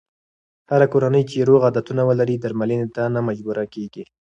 هره کورنۍ چې روغ عادتونه ولري، درملنې ته نه مجبوره کېږي.